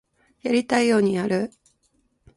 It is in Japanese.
やりたいようにやる